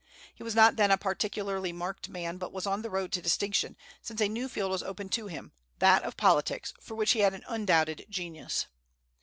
He was not then a particularly marked man, but was on the road to distinction, since a new field was open to him, that of politics, for which he had undoubted genius.